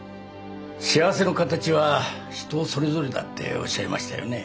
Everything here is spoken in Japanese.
幸せの形は人それぞれだっておっしゃいましたよね。